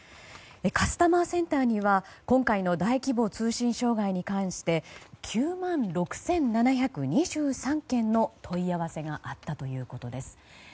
カスタマーセンターには今回の大規模通信障害に関して９万６７２３件の問い合わせがあったということです。